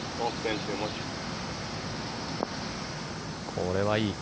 これはいい。